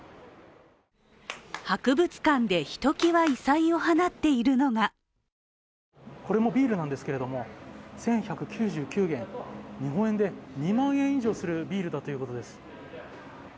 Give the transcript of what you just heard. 博物館でひときわ異彩を放っているのがこれもビールなんですけれども、１１９９元、日本円で２万円以上するビールだということです。